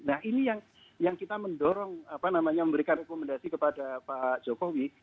nah ini yang kita mendorong apa namanya memberikan rekomendasi kepada pak jokowi